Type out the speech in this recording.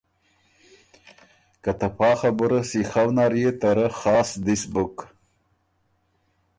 که ته پا خبُره سیخؤ نر يې ته رۀ خاص دِس بُک